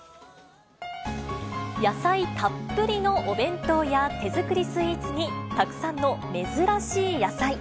野菜たっぷりのお弁当や、手作りスイーツに、たくさんの珍しい野菜。